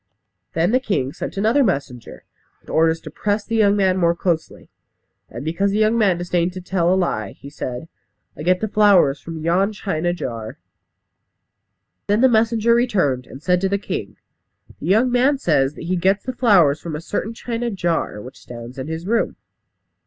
Then the king sent another messenger, with orders to press the young man more closely; and because the young man disdained to tell a lie, he said, "I get the flowers from yon china jar." Then the messenger returned, and said to the king, "The young man says that he gets the flowers from a certain china jar which stands in his room."